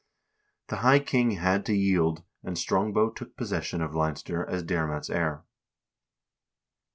The high king had to yield, and Strongbow took possession of Leinster as Diarmait's heir.